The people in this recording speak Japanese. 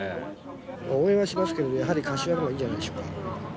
応援はしますけどやはり「柏」のほうがいいんじゃないでしょうか